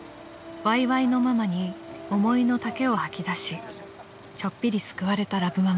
［わいわいのママに思いの丈を吐き出しちょっぴり救われたラブママ］